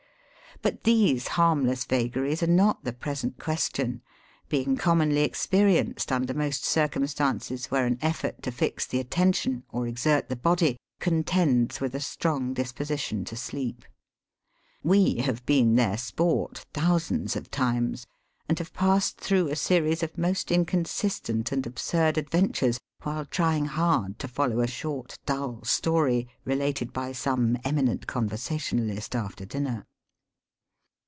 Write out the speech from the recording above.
But, these harmless vagaries are not the present question, being commonly experienced under most circumstances where an effort to fix the attention, or exert the body, contends with a strong disposition to sleep. We have been their sport thousands of times, and have passed through a series of most incon sistent and absurd adventures, while trying hard to follow a short dull story related by some eminent conversationalist after dinner.